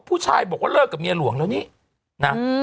ผู้ชายบอกว่าเลิกกับเมียหลวงแล้วนี่นะ